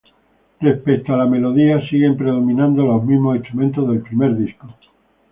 Respecto a la melodía, siguen predominando los mismos instrumentos del primer disco.